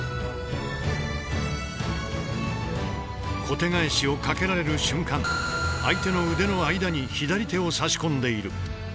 小手返しをかけられる瞬間相手の腕の間に左手を差し込んでいる。